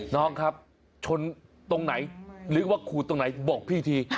น้องครับชนตรงไหนหรือว่าขูดตรงไหนบอกพี่ที